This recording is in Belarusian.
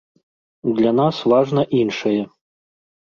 Для нас важна іншае.